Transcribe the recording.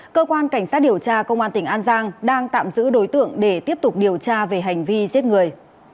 cơ quan cảnh sát điều tra công an tỉnh an giang đang tạm giữ đối tượng để tiếp tục điều tra về hành vi giết người